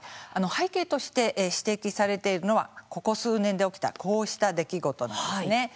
背景として指摘されているのはここ数年で起きたこうした出来事なんですね。